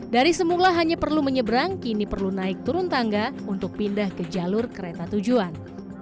dari semula hanya perlu menyeberang kini perlu naik turun tangga untuk pindah ke jalur kereta tujuan